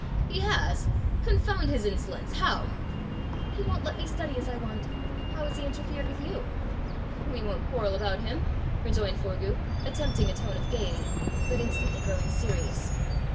"He has! Confound his insolence! How?" "He won't let me study as I want. How has he interfered with you?" "We won't quarrel about him," rejoined Forgue, attempting a tone of gaiety, but instantly growing serious.